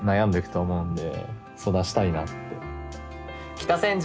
北千住。